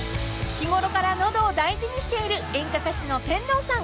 ［日頃から喉を大事にしている演歌歌手の天童さん］